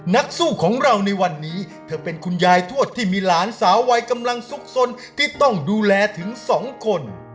นักสู้ของเราในวันนี้เธอเป็นคุณยายทวดที่มีหลานสาววัยกำลังซุกสนที่ต้องดูแลถึงสองคน